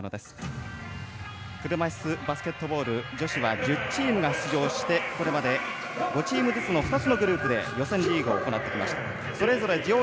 車いすバスケットボール女子は１０チームが出場してこれまで５チームずつの予選リーグを行ってきました。